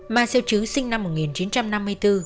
marcel chứ sinh năm một nghìn chín trăm năm mươi bốn